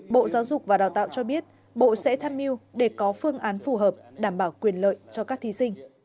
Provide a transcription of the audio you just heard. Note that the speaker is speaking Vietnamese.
bộ giáo dục và đào tạo cho biết bộ sẽ tham mưu để có phương án phù hợp đảm bảo quyền lợi cho các thí sinh